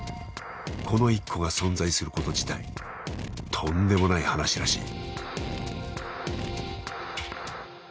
この１個が存在すること自体とんでもない話らしい。